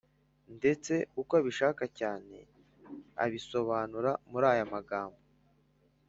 ndetse uko abishaka cyane abisobanura muri aya magambo